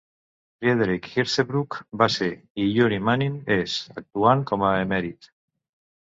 Friedrich Hirzebruch va ser, i Yuri Manin és, actuant com a emèrit.